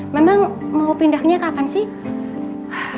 memang mau pindahnya kapan sih